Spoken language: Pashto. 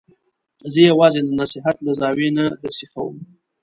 زه یې یوازې د نصحت له زاویې نه درسیخوم.